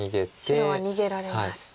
白は逃げられます。